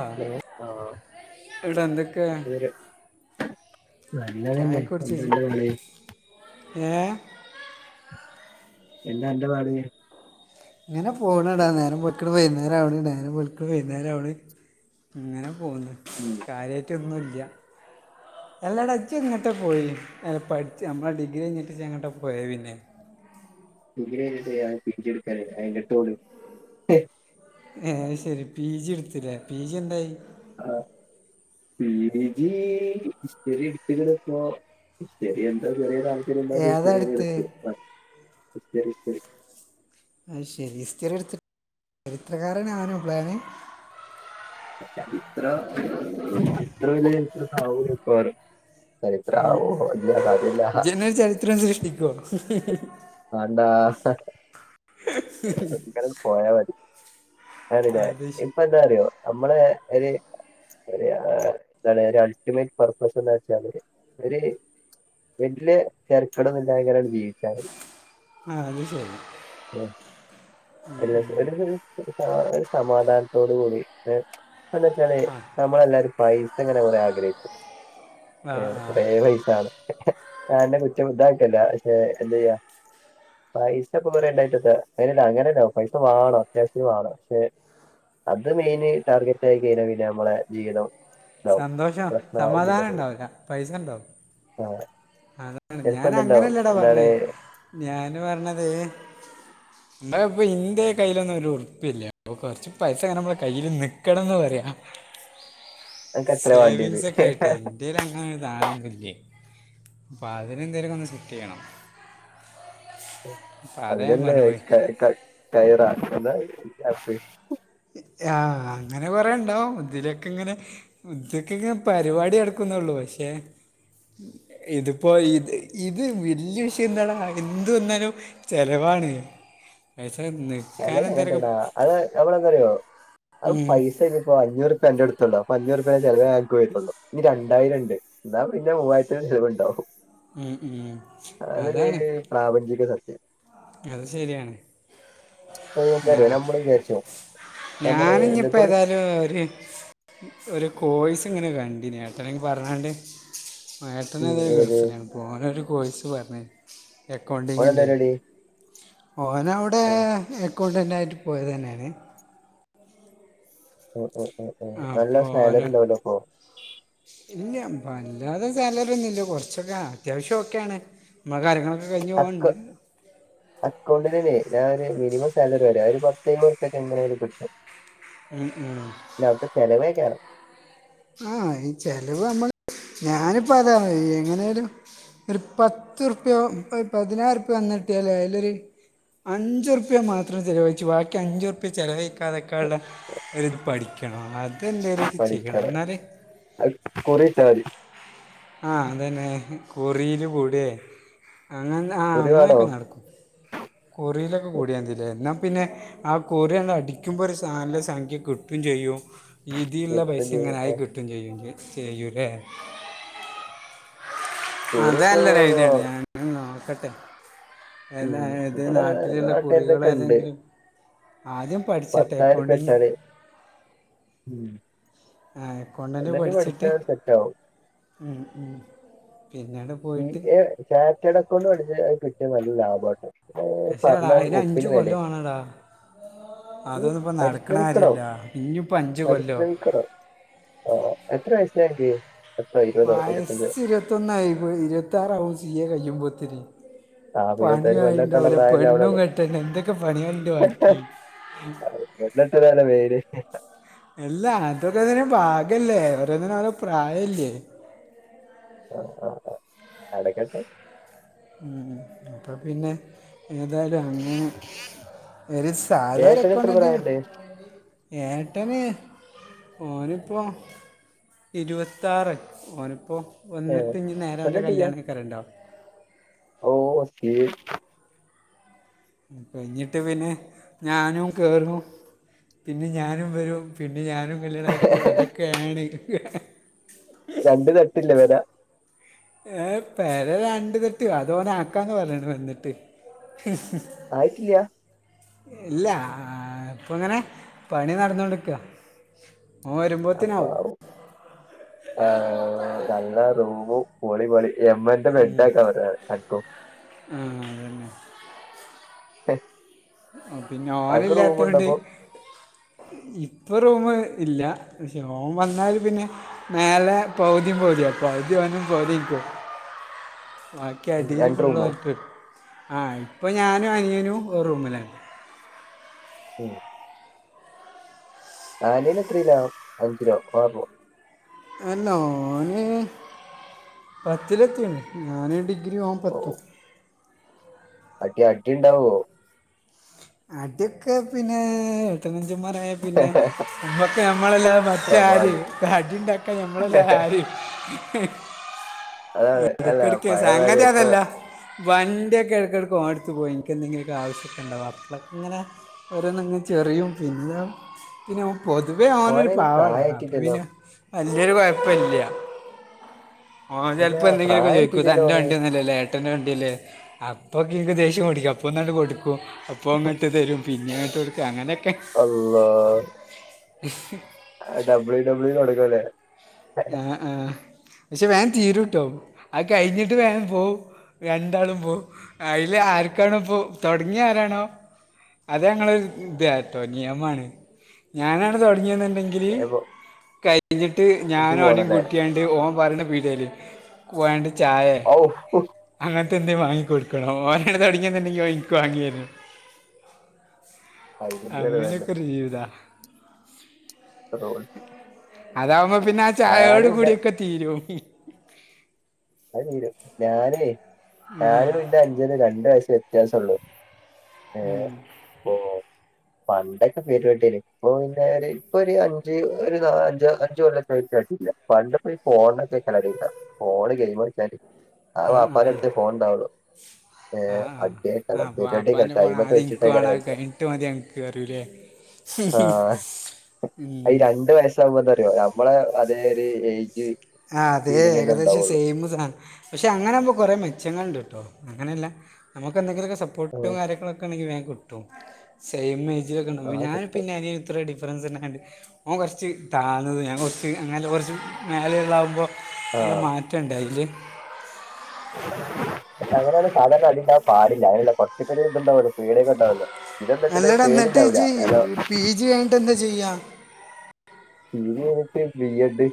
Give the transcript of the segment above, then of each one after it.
ആ എഹ് ആഹ് ഇവിടെ എന്തൊക്കെ ഒരു നല്ലതന്നെ [unintelligible] ഏഹ് എന്റ അന്റ പാട് ഇങ്ങന പോണടാ നേരം വെ ക്ക്ട് വൈകുന്നേരം അവിണ് നേരം വെള്ക്കിണ് വൈകുന്നേരം ആവിണ് ഇങ്ങനെ പോന്ന് ഉം കാര്യായിട്ടൊന്നുല്ല എല്ലടാ ഇജ്ജ് എങ്ങോട്ട പോയേ പഠിച്ച് നമ്മട ഡിഗ്രി ഞെട്ടിച്ച് എങ്ങട്ട പോയെ പിന്നെ ഡിഗ്രി കഴിഞ്ഞിട്ട് ഞാൻ പി ജി എടുക്കാൻ അതിന്റെടുത്തോള് ഏഹ് അത്ശരി പീജി എടുത്തില്ലേ പീജി എന്തായി ആഹ് പീ ജി ഇതു വരെ എടുത്തില്ലേടേ ഇപ്പോ ചെറിയ എന്തോ ചെറിയ ഏതാ എടുത്ത് [unintelligible] അത്ശരി ഹിസ്റ്ററി എടുത്ത് ചരിത്രകാരനാവാനോ പ്ലാന് ചരിത്ര [unintelligible] ഉം ജ് ന്നെ ചരിത്രം സൃഷ്ടിക്കുവോ. വാണ്ടാ ഇങ്ങനങ്ങ് പോയാ മതി. അതന്നെ അത് ശ- ഇപ്പന്താറിയോ അമ്മളെ ഒര് ഒരു. ആഹ് എന്താണ് ഒരു അൾട്ടിമേറ്റ് പർപ്പസ് ന്ന് വെച്ചാലൊരു ഒര് വെല്ലെ തെര്ക്കടന്നുല്ലാതങ്ങനട് ജീവിച്ച ആഹ് അത് ശരി. എൽ എസ് എന്റെടുത്തൊരു ആഹ് ഒരു സമാധാനത്തോട് കൂടി എ എന്ന് വെച്ചാല്. നമ്മളെല്ലരും പൈസങ്ങനെ കൊറെ ആഗ്രഹിച്ച് ആ എ ആ കൊറെ പൈസാണ്. ഞാൻ എന്റെ കുറ്റം ഇതാക്കല്ല പക്ഷെ എന്തെയ്യാ പൈസപ്പ കൊറെ ണ്ടായിട്ടെത്ത അനല്ല അങ്ങല്ല പൈസ വാണം അത്യാവശത്തിന് വാണം പക്ഷെ. അത് മെയിന് ടാർഗറ്റായി കഴിഞ്ഞ പിന്നെ നമ്മളെ ജീവിതം. ഇതാവും സന്തോഷം പ്രശ്നാവും പിന്നെ ഫുള്ള് സമാധാനണ്ടാവൂല പൈസണ്ടാവും. ആഹ് തെ. അതാണ് ഞാനങ്ങനല്ലടാ പർഞ്ഞത് ഞാന് പർഞ്ഞത്. മ്മ പിന്റെ കയ്യിലൊന്നും ഒരുർപ്പ്യല്ലാട്ടോ കൊർച്ച്. പൈസങ്ങനെ മ്മളെ കയ്യില് നിക്കണംന്ന് പറയാ. അനക്ക് എത്രയാ വേണ്ടിയത് സേവിംഗ്സൊക്കെ ആയിട്ടേ. ഇതിലങ്ങനൊരു സാനൊന്നും ഇല്ലേ പ്പ അതിനെന്തെങ്കിലൊക്കൊന്ന് സെറ്റെയ്യണം. അതാ ഞാൻ അതിനല്ലേ പറഞ്ഞു പോയി ക ക കയറാ എന്താ [unintelligible] ആഹ് അങ്ങനെ കൊറേണ്ടാവും ഇതിലൊക്കെങ്ങനെ. ഉദ്ദക്കൊക്കെ പരിപാടി നട്ക്കുന്നൊള്ളൂ പക്ഷേ. ഇത്പ്പോ ഇത് ഇത് വല്ല്യ വിഷയന്താടാ എന്ത് വന്നാലും. ചെലവാണ് പൈസന്ന്. ചെലവ് അങ്ങനത്തെടാ അത് നമ്മളെന്താറ്യോ അത് ഉം പൈസ ഇഞ്പ്പോ അഞ്ഞൂറുപ്യാ അന്റെടുത്തുണ്ടോ. ഇപ്പം അഞ്ഞൂറുപ്യെന്റെ ചെലവെ അനക്ക് വരുണുള്ളു ഇനി രണ്ടായിരണ്ട് എന്നാ പിന്നെ മൂവായിരത്തിന്റെ ചെലവുണ്ടാവും. ഉം ഉം അതൊരു അതാണ്. പ്രാപഞ്ചിക സത്യം. അത് ശെര്യാണ്. പ്പൈനെന്താറ്യോ ഞമ്മള് വിചാര്ച്ചും നമ്മള് എന്തൊക്കരു. ആഹ് ഒരു [unintelligible] സ് ഒരു കോഴ്‌സ്ങ്ങനെ കണ്ടിനി ഏട്ടന് പർഞ്ഞാണ്ട്. ഉം, ഏട്ടനത് ഏത് ഗൾഫിലാണ് അപ്പോനൊരു കോഴ്സ് പറഞ്ഞ് ഓനെന്താ എക്കൗണ്ടിങ്ങിൻ്റെ. പരിപാടി ഓനവ്ടെ ഉം, എക്കൗണ്ടന്റായിട്ട് പോയതെന്നെണ്. ഉം ഉം ഉം ഉം നല്ല അപ്പോൾ ഓന് സാലറിണ്ടാവല്ലോ പ്പോ. ഇല്ല വല്ലാതെ സാലറിന്നുല്ല കൊർച്ചൊക്കെ അത്യാവശ്യം ഒക്കെയാണ്. മ്മളെ കാര്യങ്ങളൊക്കെ കഴിഞ്ഞ് പോണ്ട്. അക്കൗണ്ടിലേനി ഞാനൊരു മിനിമം സാലറി പറ്യാ ഒരു പത്തയ്മ്പുർപ്പ്യൊക്കെ എങ്ങനായാലും കിട്ടും. ഉം ഉം. ല്ല അവിട്ത്തെ ചെലവേയ്ക്കാരം. ആഹ് ഈ ചെലവ് മ്മള് ഞാനിപ്പതാ എങ്ങനെലും. ഒരു പത്തുർപ്യോ ഒരു പതിനായിരുർപ്യ വന്ന്ട്ട്യാലായി അയ്ലൊര്. അഞ്ചുർപ്യ മാത്രം ചെലവഴിച്ചു ബാക്കി അഞ്ചുർപ്യ ച ചെലവയിക്കാതെക്കാള്ളെ. ഒരിത് പഠിക്കണം അതെന്തേലും. ചെയ്യണം പഠിക്കണം എന്നാൽ അത് കുറിട്ടാതി. ആഹ് അതെന്നെ കുറീല് കൂടെ അങ്ങന ആ കുറി വേണോ അങ്ങനൊക്കെ നട്ക്കും. കുറീലൊക്കെ കൂട്യാതിലെ ന്നാ പിന്നെ. ആ കുറ്യണ്ട് അടിക്കുമ്പോ ഒരു സാ നല്ല സംഖ്യ കിട്ടും ചെയ്യും. ഇതീള്ള കിട്ടും ചെയ്യും. പൈസങ്ങനായി ആ, കിട്ടും ചെയ്യും ചെയ്യൂലേ. കുറി അതല്ലൊരു ഇപ്പോ ഐഡ്യേണ് ഞാനൊന്ന് നോക്കട്ടെ. ഉം ഏന്നെ ഏത് ഇവിടെ നാട്ടിലുള്ള നാട്ടുകാരുടെക്കെ ഉണ്ട് കുറികളെതെങ്കിലും. ആദ്യം പഠ്ച്ചട്ടേ പത്തായിരറുപ്യ എക്കൗണ്ടിങ്ങ്. ഇട്ടാല് ഉം. ആഹ് അതിലണ്ട് പഠിച്ചാ സെറ്റാവും മ് മ് പിന്നീട് സി പോയിട്ട് എ ചാറ്റേഡ് അക്കൗണ്ട് പഠിച്ച അത് കിട്ടിയാ നല്ല ലാഭാട്ടോ അത് പക്ഷേ എടാ പറഞ്ഞാൽ അതിന് അഞ്ച് ഒപ്പിന് വെലെ കൊല്ലം വേണടാ രും അതൊന്നും ഇപ്പം നടക്കണ പരിശ്രമിക്കണം കാര്യമില്ല ഇനിയിപ്പോൾ അഞ്ച് കൊല്ലോ പരിശ്രമിക്കണം ആഹ് ആഹ് എത്ര വയസായി അനക്ക് പത്തോ ഇരുപതോ ഇരുബത്തഞ്ചോ വയസ്സ് [unintelligible] ഇരുപത്താറാവും സി എ കയ്യുമ്പോത്തിന് ആ ഇരുപത്താറ് പെണ്ണെട്ടാനുള്ള പണിയായിണ്ടാവൂല പ്രായല്ലേ പെണ്ണും അവിടെന്ന് കെട്ടണ്ടേ എന്തൊക്കെ പണികൾണ്ട് ബാക്കി ഉമ് പെണ്ണെട്ടലാണോ മെയിന് എല്ല അതൊക്കെ അതിന്റെ ഭാഗല്ലേ ഓരോന്നിനും ഓരോ പ്രായില്ലേ ആഹ് ആഹ് ആഹ് നടക്കട്ടെ മ് അപ്പപ്പിന്നെ ഏതായാലും അങ്ങനെ ഒരു സാധാ ഒരു ഏട്ടന് എത്ര അക്കൗണ്ടേന്റ് പ്രായണ്ട് ഏട്ടന് ഓനിപ്പോ ഇരുവത്താറ് ഓനിപ്പോ ഏ വന്നിട്ട് ഇഞി നേരോന്റെ കല്യാണയിക്കാരണ്ടാ ഓഹ് അസി കഴിഞ്ഞിട്ട് പിന്നെ ഞാനും കേറും പിന്നെ ഞാനും വരും പിന്നെ ഞാനും കല്യാണം കയിക്കും അതൊക്കെയാണ് രണ്ടു തട്ടില്ലേ പേരാ ഏഹ് പേര രണ്ട തെട്ട് അത് ഓൻ ആക്കാന്ന് പറഞ്ഞിണ് വന്നിട്ട് ആയിട്ടില്ല ഇല്ല ഇപ്പ ഇങ്ങനെ പണി നടന്നോണ്ടിക്കോ ഓൻ വരുമ്പോത്തിന ആവും അപ്പാവു ആഹ് നല്ല റൂമും പോളി പോളി എമ്മന്റെ മെഡക്കാ പറഞ്ഞ അക്കും ആഹ് അതന്നെ ഏഹ് ആഹ് പിന്നെ ഓനല്ലാത്തോണ്ട് ഇപ്പൊ റൂം ഇല്ല ഓൻ വന്നാല് പിന്നെ മേലെ പൗതിയും പൗതിയ പൗതി വന്നും പൗതി ന്ക്കും ബാക്കി ഉം അടിയിൽ രണ്ട് ഫുള്ള് റൂമോ ഓല്ക് ആഹ് ഇപ്പം ഞാനും അനിയനും റൂമിലുണ്ട് ഉമ് ആനിയൻ എത്രല്ല അഞ്ചിലോ ആർ ലൊ എല്ല ഓന് പത്തില എത്തീൺ ഞാൻ ഡിഗ്രി ഓൻ ഓ പത്തും അടി അടി യുണ്ടാവോ അടിക്കെ പിന്നെ പത്തനഞ്ചമായ പിന്നെ നമ്മക്ക് നമ്മളെല്ല മറ്റ ആര് സ്വാഭാവികം അടിണ്ടാക്കാൻ ഞങ്ങെല്ല ആരും അതാണ് എടുക്ക അല്ല എടുക്ക പഴയമാതിരി സാങ്കതി ഇപ്പൊ അതല്ല വണ്ടിയൊക്കെ ഇടക്ക് ഓനെ ടുത്ത് പോയി എനക്ക് എന്തങ്കിലൊക്ക ആശ്യമഉണ്ടോ ക്ക ഇങ്ങനെ ഓരോന്നങ്ങനങ് ചെറിയും പിന്നെ പിന്നെ പൊതുവേ അവനൊരു ഓനയിന് പാവാടാ അപ്പൊ പ്രായായിട്ടില്ലല്ലോ പിന്നെ വല്യൊരു കൊഴപ്പല്ല ഓന് അല്ല ചപ്പോ എന്തെങ്കിലൊക്കെ ചോയിക്കും ഇത് പ്രായായിട്ടില്ലല്ലോ അന്റെ ഓന് വണ്ടിന്നല്ലല്ലേ ഏ ട്ടന്റെ വണ്ടി ല്ലേ അപ്പൊക്കെ എനിക്ക് ദേഷ്യം പിടിക്കും അപ്പൊ ഒന്നണ്ട് കൊടുക്കും ഇപ്പ അങ്ങോട്ട് തരും പിന്നെങ്ങോട്ട് കൊടുക്കും അങ്ങനെയൊക്കെ അള്ളാ ഡബ്ല്യൂ ഡബ്ല്യൂ കൊക്കും അല്ലേ ആഹ് ആഹ് പക്ഷെ വേൻ തീരുട്ടോ ആഹ് കഴിഞ്ഞിട്ട് വേൻ പോവും രണ്ടാളും പോവും അതില് ആർക്കാണോ പോ തുടങ്ങിയ ആരാണോ അതെ ഞങ്ങളൊരു ഇത കേട്ടോ നിയമാണ് ഞാനാണ് തുടങ്ങിയെന്നുണ്ടെങ്കിൽ ഇപ്പൊ കഴിഞ്ഞിട്ട് ഇജ്ജ് ഞാൻ ഓനെ പോണല്ലേ കുട്ടിയ ഓന് പറീണ പീഡിയേൽ വേണ്ട് ചായെ ഔ അങ്ങനത്തെന്നെ വാങ്ങി കൊടുക്കണം ഓനണ് തൊടങ്ങിയ പിന്നെ ഓൻ ഇൻക്ക് വാങ്ങേരും വാങ്ങിയരുന്നു അതിലും ചെലവന്നെ അങ്ങനൊക്കെ ഒരു ജീവിതാ [unintelligible] അതവുമ്പോ പിന്നെ ആ ചായയോട് ഞാനും ഇല്ല കൂടിയൊക്കെ തീരും അത് തീരും ഞാനും ഞാനും ഇന്റെ അഞ്ജനും രണ്ട്‌ വയസ് വ്യത്യാസം ഉള്ളു ഉം പണ്ടൊക്കെ പെരും അടി അയ്നിം ഇപ്പൊ പിന്നെ ഒരു ഇപ്പൊ ഒരു അഞ്ച് ഒരു അഞ്ച് അഞ്ച് കൊല്ലൊക്കെ ആയിട്ട് അടില്ല പണ്ടപ്പോ ഈ ഫോണൊക്കെ ക്കറിയില്ല ഫോണ് ഗെയിമളിച്ചാല് അഹ്‌ വാപ്പാന്റെ അടുത്തേ ഫോൺ ഉണ്ടാവുള്ളു ഏഹ് ആഹ് ആഹ്‌ അടിയായിക്കാരം അപ്പൊ പരിപാടിയൊക്കെ വാപ്പാന്റെ ഫോണ് ടൈമൊക്കെ ആദ്യം ഇൻക്ക് വെച്ചിട്ടേക്കാരം വാണം അത് കളിച്ച കഴിഞ്ഞിട്ട് മതി അനക്ക് അറിയൂലേ ആഹ് [unintelligible] ഈ രണ്ട് വയസ് ആകുമ്പോ ന്താറിയോ ഞമ്മളെ അതേ ഒരു എയ്ജ് ആഹ്‌ അതെ ഏകദേശം സെയിം സാണ് പക്ഷെ അങ്ങനാവുമ്പോ കൊറെ മെച്ചങ്ങൾണ്ട് ട്ടോ അങ്ങനെയല്ല നമുക്ക് എന്തെങ്കിലൊക്കെ സപ്പോർട്ടും ആഹ് കാര്യങ്ങളൊക്കെ ക്കെണ്ടെങ്കിൽ വേം കിട്ടും സെയിം ഏജിലൊക്കെണ്ടാവും ആഹ് ഞാനും കിട്ടും പിന്നെ അനിയനും ഇത്ര ഡിഫ്രൻസ്ണ്ടായോണ്ട് ഓൻ കൊറച്ച് താന്നത് ഞാൻ കൊറച്ച് അങ്ങനല്ല കൊറച്ച് മേലെയുള്ളാകുമ്പോ നല്ല ആഹ് മാറ്റ റ്റണ്ടയില് അങ്ങനെണ് സാധാരണ അടി ഇണ്ടാവാൻ പാടില്ല അയിനുള്ള കൊറച്ചൊക്കൊരു ഇതിണ്ടാവൊള്ളൂ പേടിയൊക്കെണ്ടാവൊള്ളൂ അല്ലട എന്നിട്ട്ഞ്ച് പി ജി കയിഞ്ഞിട്ടെന്താ ചെയ്യാ പിജി കഴിഞ്ഞിട്ട് ബി എഡ്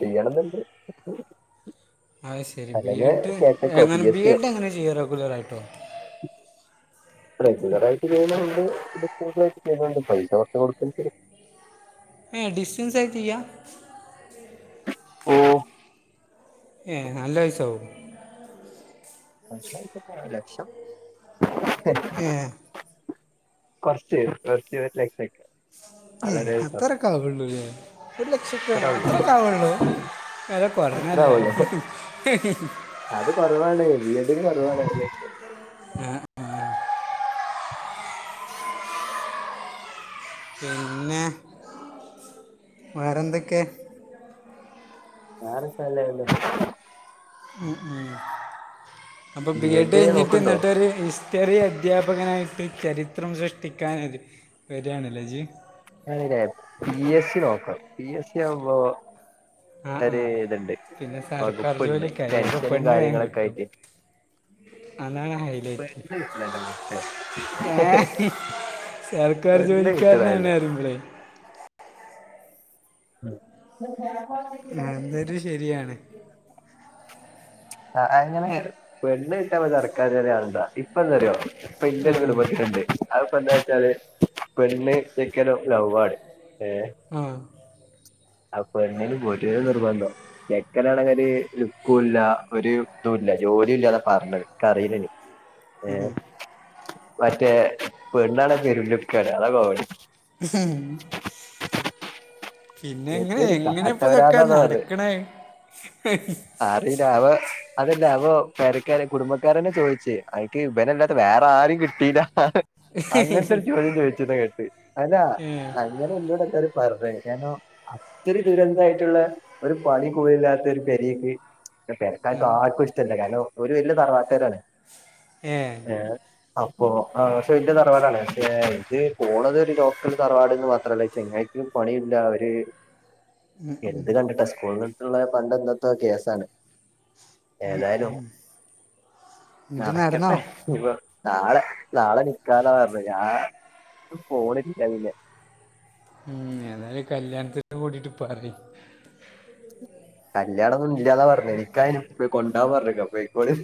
ചെയ്യണന്ന്ണ്ട് അഹ്‌ ശരി ബി എഡ് കേട്ടക്കോ പി എങ്ങനെ എസ് ബി സിയോ എഡ് എങ്ങനെ ചെയ്യ റെഗുലറായിട്ടോ റെഗുലറായിട്ട് ചെയ്യുന്ന ഒണ്ട് ഡിസ്റ്റൻസ് ആയിട്ട് ചെയ്യുന്നുണ്ട് പൈസ കൊറച്ച് കൊടുക്കേണ്ടിവരും ഏഹ്‌ ഡിസ്റ്റൻസായി ചെയ്യാ ഓഹ്‌ ഏഹ്‌ നല്ല പൈസാവോ [unintelligible] ലക്ഷം ഏഹ്‌ കൊറച്ച് കൊറച്ച് [unintelligible] ഏഹ്‌ അത്രക്കാവൊള്ളൂല്ലേ ഒരു ലക്ഷക്കെ അത്ര ഉള്ളൂ അത്രക്കാവുള്ളൂ അത് അത്ര കൊറഞ്ഞല്ലേ ഉള്ളൂ അത് കൊറവാണ് ബി എഡിന് കൊറവാണ് ഒരു ലക്ഷം ഏഹ്‌ ഏഹ് ആഹ ആഹ [inaudible] പിന്നെ വേറെന്തൊക്കെ [unintelligible] മ് മ് അപ്പൊ ബി എഡ് കഴിഞ്ഞിട്ട് എന്നിട്ടൊരു സ് ചെറിയ അധ്യാപകനായിട്ട് ചരിത്രം സൃഷ്ടിക്കാൻ വരി വരിയാണ്ല്ലേ ഇജ്ജ് ഞാനില്ലേ പി എസ് സി നോക്കണം പി എസ് സി ആവുമ്പോ ആ ആ ഒരീതുണ്ട് പിന്നെ സർക്കാർ വകുപ്പുണ്ട് ജോലിക്കായി അപ്പോൾ ടെൻഷനും പെണ്ണ് വേഗം കാര്യങ്ങളൊക്കെ കിട്ടും ആയിട്ട് അതാണ് ഹൈലൈറ്റ് [unintelligible] ഇഷ്ടല്ല മൊട്ടേ ഏ സർക്കാർ ജോലിക്കാരനാണ് അറിമ്പളേ ഉം മ് ഇതൊരു ശരിയാണ് ആ അങ്ങനെ പെണ്ണ് കിട്ടാൻ ഇപ്പം സർക്കാർ ജോലി ആവണ്ടാ ഇപ്പം എന്താറിയോ ഇപ്പൊ ആ ഇന്റൊരു കുടുംബത്തിലുണ്ട് അതിപ്പോ എന്താവച്ചാല് പെണ്ണ് ചെക്കനും ലവ്വാണ് ഏഹ്‌ ആഹ്‌ ആ പെണ്ണിന് ഒരേ നിർബന്ധം ചക്കനാണങ്കില് ഒരുലുക്കുല്ല ഒരു ഇതുല്ലാ ജോലി ഇല്ലാന്നാ പറഞ്ഞത് എക്കറിയില്ല എനി [inaudible] ഏഹ് മറ്റേ പെണ്ണാണേൻ പേരും ലുക്കാണ് അതാ കോമഡി [inaudible] പിന്നെ എങ്ങനെ എന്തൊരു എങ്ങനെപ്പ ഇതൊക്കെ കാട്ടവരാന്താന്ന് നടക്കണേ അറില്ലാവോ അതല്ലാവോ പെരക്കാരെ കുടുംബക്കാരന്നെ ചോയിച്ച് അയിക്ക് ഇവനല്ലാതെ വേറെ ആരും കിട്ടീല്ല അങ്ങട്ടൊരു ചോദ്യംചോയിച്ചെന്ന് കേട്ട് അനാ ഏ അങ്ങനെ എഞ്ചോട് എല്ലാരും പറഞ്ഞേ അത്രേദുരന്തായിട്ടുള്ള ഒരു പണി കൂടില്ലാത്ത ഒരു പൊരയ്ക്ക് പെരക്കാർക്കാർക്കും ഇഷ്ടല്ല കാരണം ഒര് വല്ല്യ തറവാട്ടരാണ് ഏഹ് അപ്പൊ ആ പക്ഷെ വലിയ തറവാടാണ് ന്റെ ഇത് പോണത് ഒരു ലോക്കൽ തറവാട്ന്ന്മാത്രല്ല ഈ ചങ്ങായി ഒര് പണിയില്ല ഒര് എന്ത് കണ്ടിട്ടാ സ്കൂളിനടുത്തുള്ള പണ്ടെന്തെത്തോ കേസാണ് ഏതായാലും എന്നിട്ട് നടന്നോ നടക്കട്ടെ ഇപ്പ നാളെ നാളെ നിക്കാന്നാ പറഞ്ഞേ ഞാൻ പോണില്ല പിന്നെ ഉം എന്നാല് കല്യാണത്തിന് കൂടിട്ട് പറയ് കല്യാണം ഒന്നും ഇല്ലാന്നാ പറഞ്ഞേ നിക്കാഹിന് പോയി കൊണ്ടോവാൻ പറഞ്ഞിക്ക് പോയിക്കോളി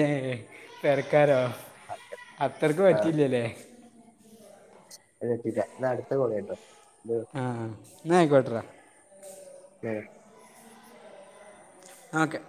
ഏഹ് പെരക്കാരോ അത്രയ്ക്ക് പറ്റിയില്ലല്ലേ പറ്റീല ഇതാ അടുത്ത കോള് വരുന്നു ഉം ആഹ് ന്നാ ആയി കൊട്രെഡാ ഉം ഓക്കെ